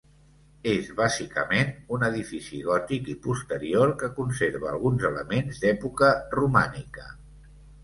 És bàsicament un edifici gòtic i posterior que conserva alguns elements d'època romànica.